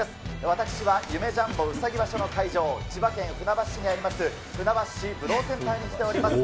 私は夢・ジャンボうさぎ場所の会場、千葉県船橋市にあります、船橋市武道センターに来ております。